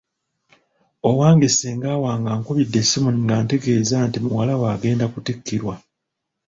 Owange ssenga wange ankubidde essimu ng'antegeeza nti muwala we agenda kutikkirwa.